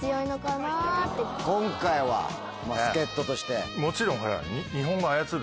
今回は助っ人として。もちろん。